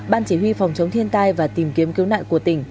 ban chỉ huy phòng chống thiên tai và tìm kiếm cứu nạn của tỉnh